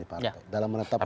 di partai dalam menetapkan